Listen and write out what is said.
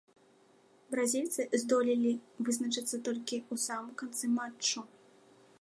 Бразільцы здолелі вызначыцца толькі ў самым канцы матчу.